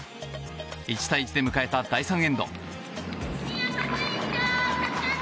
１−１で迎えた第３エンド。